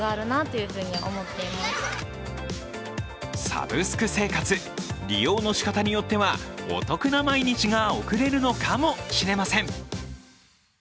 サブスク生活、利用の仕方によってはお得な毎日が送れるのかもしれません。